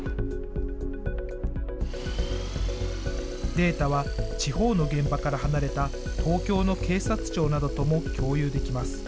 データは、地方の現場から離れた東京の警察庁などとも共有できます。